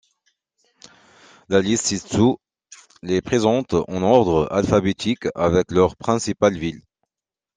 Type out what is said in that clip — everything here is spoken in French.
La liste ci-dessous les présente en ordre alphabétique avec leur principale ville.